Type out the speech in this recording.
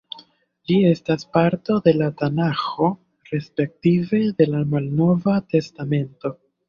Ĝi estas parto de la Tanaĥo respektive de la Malnova Testamento.